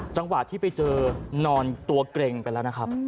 จังหวะที่ไปเจอนอนตัวเกร็งไปแล้วนะครับ